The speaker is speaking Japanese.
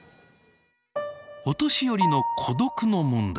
お年寄りの孤独の問題です。